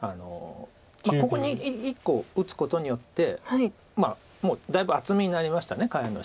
ここに１個打つことによってもうだいぶ厚みになりました下辺の白は。